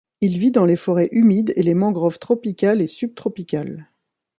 Il vit dans les forêts humides et les mangroves tropicales et subtropicales.